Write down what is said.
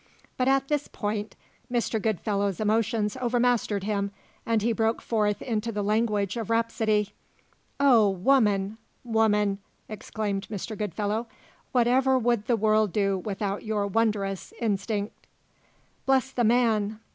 But at this point Mr. Goodfellow's emotions overmastered him, and he broke forth into the language of rhapsody. "O woman, woman!" exclaimed Mr. Goodfellow, "whatever would the world do without your wondrous instink!" "Bless the man!"